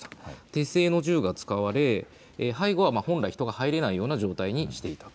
手製の銃が使われ背後は本来、人が入れないような状態にしていた。